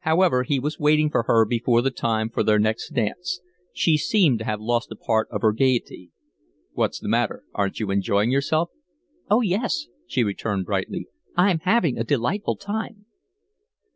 However, he was waiting for her before the time for their next dance. She seemed to have lost a part of her gayety. "What's the matter? Aren't you enjoying yourself?" "Oh, yes!" she returned, brightly. "I'm having a delightful time."